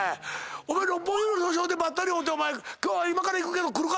六本木の路上でばったり会うて今日今から行くけど来るか？